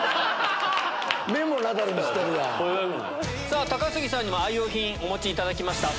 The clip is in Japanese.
さぁ高杉さんにも愛用品お持ちいただきました。